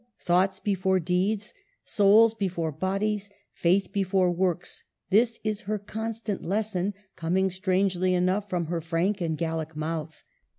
Thoughts before deeds, souls before bodies, faith before works, — this is her constant lesson, coming strangely enough from her frank and Gallic mouth.